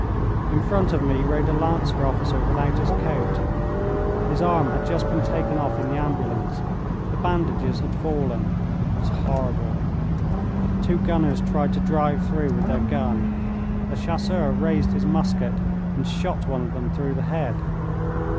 In front of me rode a Lancer officer without his coat. His arm had just been taken off in the ambulance. The bandages had fallen. It was horrible. Two gunners tried to drive through with their gun. A Chasseur raised his musket and shot one of them through the head.